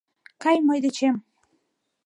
Кай мый дечем.